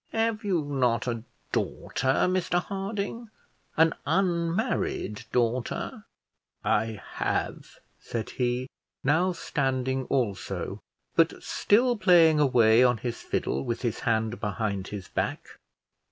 "Have you not a daughter, Mr Harding an unmarried daughter?" "I have," said he, now standing also, but still playing away on his fiddle with his hand behind his back.